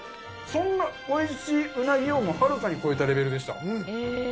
そんなおいしいウナギをはるかに超えたレベルでした。